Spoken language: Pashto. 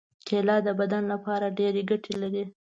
کېله د بدن لپاره ډېرې ګټې لري.